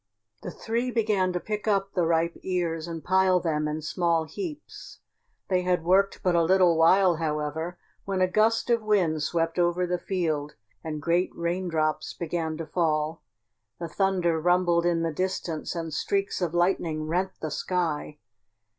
The three began to pick up the ripe ears and pile them in small heaps. They had worked but a little while, however, when a gust of wind swept over the field and great raindrops began to fall. The thunder rumbled in the distance and streaks of lightning rent the sky.